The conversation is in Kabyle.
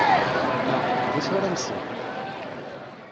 Neɣ: D acu ara nsew?